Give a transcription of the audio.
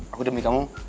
aku demi kamu